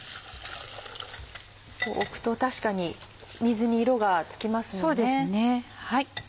置くと確かに水に色がつきますもんね。